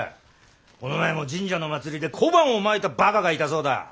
この前も神社の祭りで小判をまいたばかがいたそうだ。